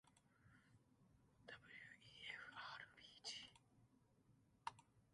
wefwrw